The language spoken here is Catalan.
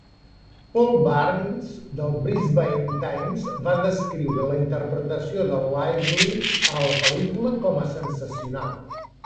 Paul Byrnes, del "Brisbane Times", va descriure la interpretació de Lively a la pel·lícula com a "sensacional".